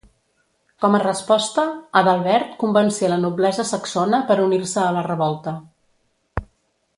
Com a resposta, Adalbert convencé la noblesa saxona per unir-se a la revolta.